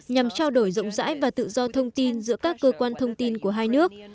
nhằm trao đổi rộng rãi và tự do thông tin giữa các cơ quan thông tin của hai nước